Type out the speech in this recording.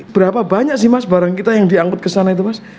berapa banyak sih mas barang kita yang diangkut ke sana itu mas